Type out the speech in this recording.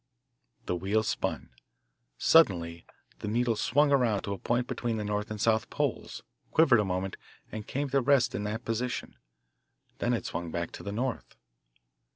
The wheel spun. Suddenly the needle swung around to a point between the north and south poles, quivered a moment, and came to rest in that position. Then it swung back to the north.